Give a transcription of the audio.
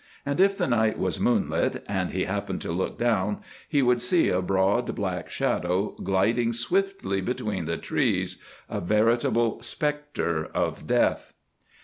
And if the night was moonlit, and he happened to look down, he would see a broad, black shadow gliding swiftly between the trees—a veritable spectre of death.